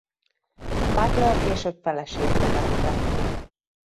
Butler később feleségül vette.